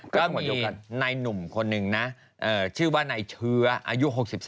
ก็เหมือนกับนายหนุ่มคนหนึ่งนะชื่อว่านายเชื้ออายุ๖๒